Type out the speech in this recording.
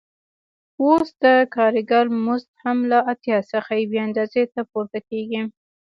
اوس د کارګر مزد هم له اتیا څخه یوې اندازې ته پورته کېږي